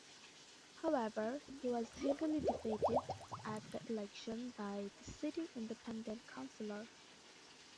However, he was heavily defeated at the election by the sitting Independent councillor.